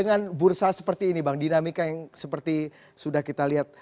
dengan bursa seperti ini bang dinamika yang seperti sudah kita lihat